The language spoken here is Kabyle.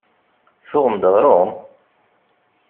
Tuɣem-d aɣrum?